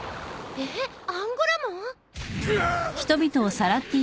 えっ？アンゴラモン？うわ！